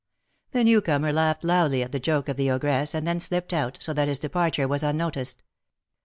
The newcomer laughed loudly at the joke of the ogress, and then slipped out, so that his departure was unnoticed.